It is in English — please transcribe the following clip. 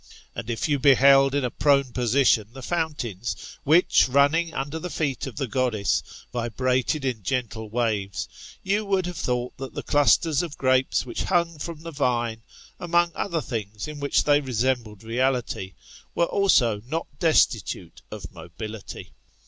And if you beheld in a prone position the fountains which, running under the feet of the god dess, vibrated in gentle waves, you wolild have thought that the clusters of grapes which hung ifrom the vine, among other things in which they resembled reality, where also not destitute of mobility.